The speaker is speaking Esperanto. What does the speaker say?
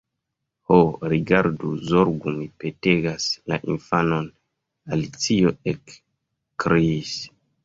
"Ho, rigardu, zorgu,—mi petegas—la infanon!" Alicio ekkriis.